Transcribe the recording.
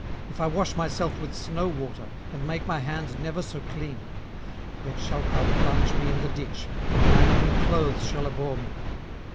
18:009:030 If I wash myself with snow water, and make my hands never so clean; 18:009:031 Yet shalt thou plunge me in the ditch, and mine own clothes shall abhor me.